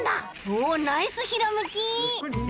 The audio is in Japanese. おっナイスひらめき。